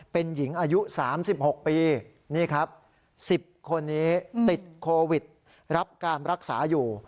เป็นหญิงอายุ๓๖ปีนี่ครับ๑๐คนนี้ติดโควิดรับการรักษาอยู่